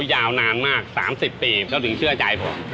โอ้โหยาวนานมาก๓๐ปีก็ถึงเชื่อใจผม